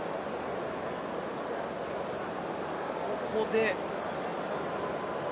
ここで。